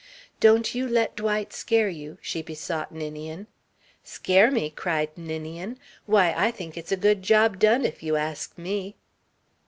"Don't you let Dwight scare you," she besought Ninian. "Scare me!" cried Ninian. "Why, I think it's a good job done, if you ask me."